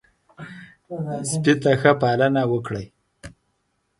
سپي ته ښه پالنه وکړئ.